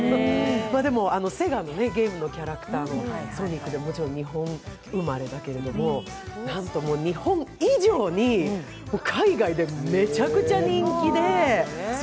でも、セガのゲームのキャラというのはソニック、もちろん日本生まれだけれども日本以上に海外でめちゃくちゃ人気で。